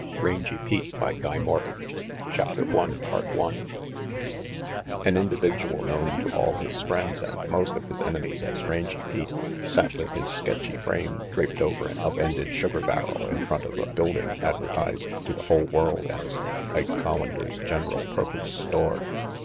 RANGY PETE Rangy Pete CHAPTER I AN individual known to all his friends and to most of his enemies as Rangy Pete sat with his sketchy frame draped over an up ended sugar barrel in front of a building advertised to the whole world as "Ike Collander's General Purpus Store."